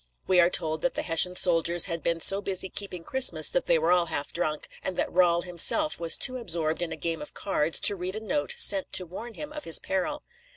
We are told that the Hessian soldiers had been so busy keeping Christmas that they were all half drunk, and that Rahl himself was too absorbed in a game of cards to read a note sent to warn him of his peril.